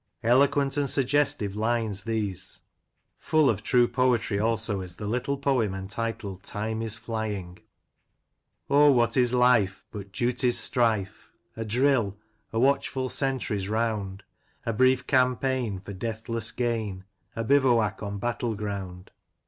Eloquent and suggestive lines these. Full of true poetry also is the little poem entitled, " Time is Flying" :— Oh, what is life But duty's strife? A drill ; a watchful sentry's round ; A brief campaign For deathless gain ; A bivouac on battle ground.